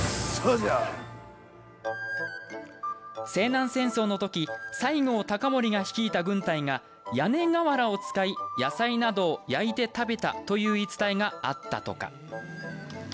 西南戦争のとき西郷隆盛が率いた軍隊が屋根瓦を使い野菜などを焼いて食べたという言い伝えがあったとか。